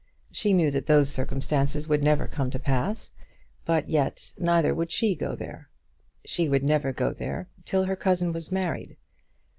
She knew that those circumstances would never come to pass; but yet neither would she go there. She would never go there till her cousin was married.